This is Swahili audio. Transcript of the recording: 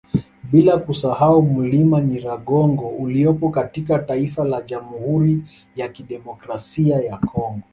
Bila kusahau mlima Nyiragongo uliopo katika taifa la Jamhuri ya Kidemokrasia ya Congo